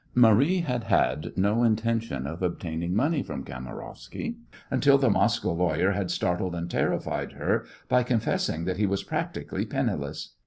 Marie had had no intention of obtaining money from Kamarowsky until the Moscow lawyer had startled and terrified her by confessing that he was practically penniless.